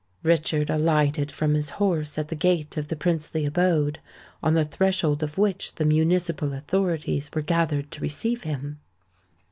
Richard alighted from his horse at the gate of the princely abode, on the threshold of which the municipal authorities were gathered to receive him.